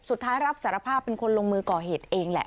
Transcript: สุดท้ายรับสารภาพเป็นคนลงมือก่อเหตุเองแหละ